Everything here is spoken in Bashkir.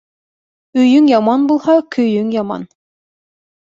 Өйөң яман булһа, көйөң яман.